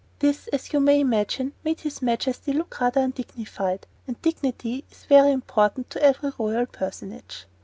This, as you may imagine, made his Majesty look rather undignified, and dignity is very important to every royal personage.